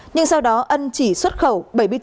nhưng sau đó ân chỉ xuất khẩu